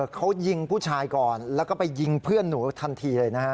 เขายิงผู้ชายก่อนแล้วก็ไปยิงเพื่อนหนูทันทีเลยนะฮะ